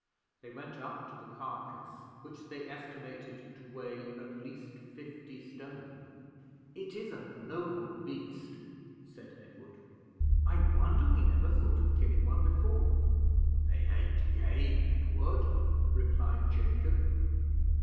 They went up to the carcass, which they estimated to weigh at least fifty stone. "It is a noble beast," said Edward; "I wonder we never thought of killing one before?" "They aren't game, Edward," replied Jacob.